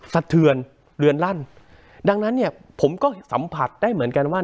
สะเทือนเรือนลั่นดังนั้นเนี่ยผมก็สัมผัสได้เหมือนกันว่า